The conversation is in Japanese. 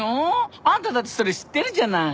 あんただってそれ知ってるじゃない。